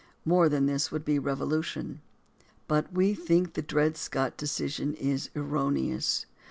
More than this would be revolution. But we think the Dred Scott decision is erroneous.